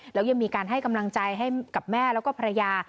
แล้วยังมีการให้กำลังใจให้กับแม่แล้วก็ภรรยา